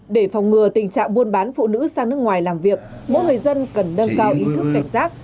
để phòng ngừa tình trạng buôn bán phụ nữ sang nước ngoài làm việc mỗi người dân cần nâng cao ý thức cảnh giác